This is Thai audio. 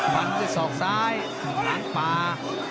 พันที่สองซ้ายหลังป่า